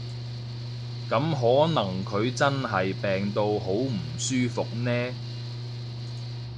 噉可能佢真係病到好唔舒服呢